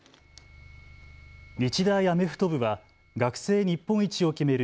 日大アメフト部は学生日本一を決める